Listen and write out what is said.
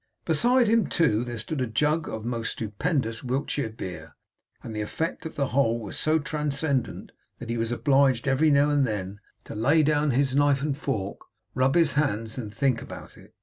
Beside him, too, there stood a jug of most stupendous Wiltshire beer; and the effect of the whole was so transcendent, that he was obliged every now and then to lay down his knife and fork, rub his hands, and think about it.